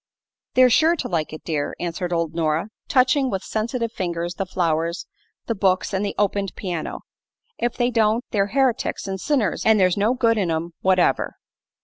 "They're sure to like it, dear," answered old Nora, touching with sensitive fingers the flowers, the books and the opened piano. "If they don't, they're heretics an' sinners, an' there's no good in 'em whatever."